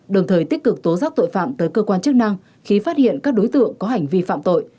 đồng thời tích cực tố giác tội phạm tới cơ quan chức năng khi phát hiện các đối tượng có hành vi phạm tội